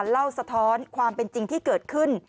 สะท้อนความเป็นจริงที่เกิดขึ้น